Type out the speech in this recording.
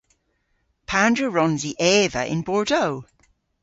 Pandr'a wrons i eva yn Bordeaux?